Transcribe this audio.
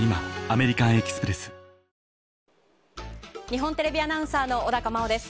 日本テレビアナウンサーの小高茉緒です。